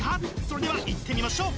それではいってみましょう！